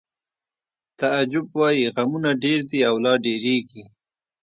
تعجب وایی غمونه ډېر دي او لا ډېرېږي